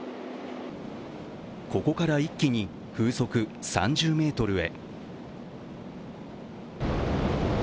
ここから一気に風速３０メートルへ。